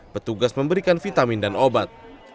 petugas memberikan vitamin dan obat